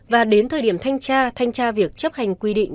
và đến thời điểm thanh tra thanh tra việc chấp hành quy định